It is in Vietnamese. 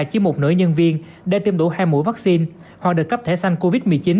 chỉ một nửa nhân viên đã tiêm đủ hai mũi vaccine hoặc được cấp thẻ sanh covid một mươi chín